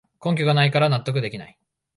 根拠がないから納得できない